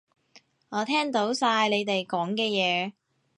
我聽到晒你哋講嘅嘢